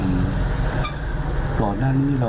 พ่อมีสองอารมณ์ความรู้สึกดีใจที่เจอพ่อแล้ว